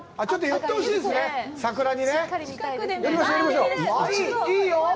寄ってほしいですね、桜に。